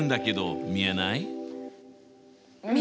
見えない。